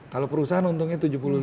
kalau perusahaan untungnya